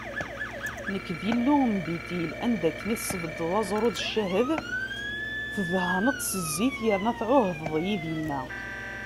Nekk, d Illu n Bitil, anda akken i tesbeddeḍ aẓru d ccahed, tdehneḍ-t s zzit, yerna tɛuhdeḍ-iyi dinna.